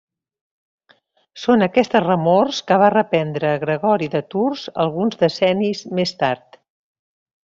Són aquestes remors que va reprendre Gregori de Tours, alguns decennis més tard.